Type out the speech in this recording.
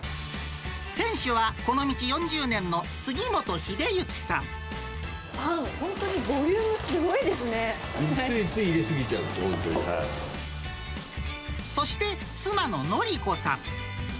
店主はこの道４０年の杉本秀パン、本当にボリュームすごついつい入れ過ぎちゃうんでそして妻の典子さん。